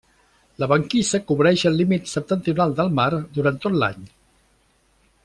La banquisa cobreix el límit septentrional del mar durant tot l'any.